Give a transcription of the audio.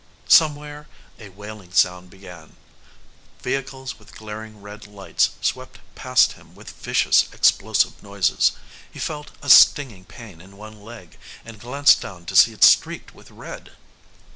Somewhere a wailing sound began vehicles with glaring red lights swept past him with vicious, explosive noises. He felt a stinging pain in one leg, and glanced down to see it streaked with red.